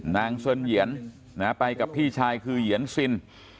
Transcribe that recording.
เซินเหยียนไปกับพี่ชายคือเหยียนซิน